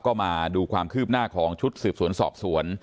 ก็มาดูความคืบหน้าของชุดสืบสวนสอบสวน